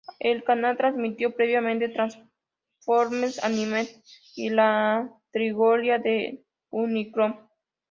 El canal transmitió previamente "Transformers Animated" y la "Trilogía de Unicron.